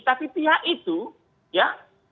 tapi pihak itu ya